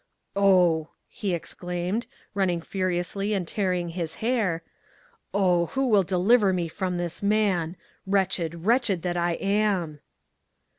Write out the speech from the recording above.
"Oh," he exclaimed, running furiously and tearing his hair—"Oh, who will deliver me from this man? Wretched—wretched that I am!"